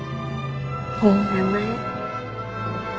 いい名前。